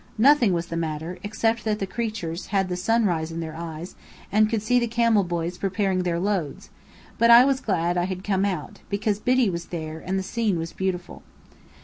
Nothing was the matter, except that the creatures had the sunrise in their eyes, and could see the camel boys preparing their loads; but I was glad I had come out, because Biddy was there and the scene was beautiful.